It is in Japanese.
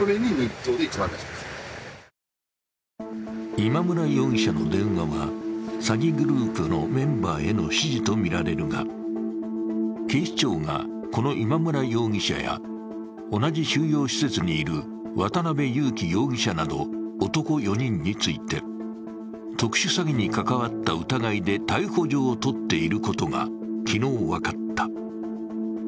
今村容疑者の電話は詐欺グループのメンバーへの指示とみられるが警視庁が、この今村容疑者や同じ収容施設にいる渡辺優樹容疑者など、男４人について、特殊詐欺に関わった疑いで逮捕状を取っていることが昨日分かった。